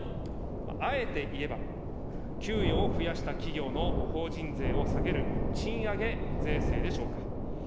あえて言えば、給与を増やした企業の法人税を下げる賃上げ税制でしょうか。